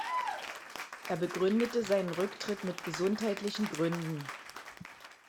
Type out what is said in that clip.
Er begründete seinen Rücktritt mit gesundheitlichen Gründen.